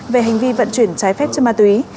về hành vi vận chuyển trái phép chất ma túy